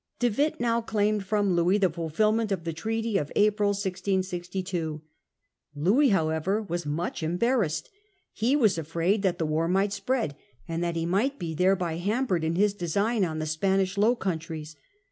De Witt now claimed from Louis the fulfilment of the treaty of April 1662 (see p. 115). Louis however Emba a.s was muc ^ em harrassed. He was afraid that ment of the war might spread, and that he might Loms ' be thereby hampered in his design on the Spanish Low Countries.